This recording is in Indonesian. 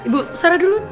bu sara dulu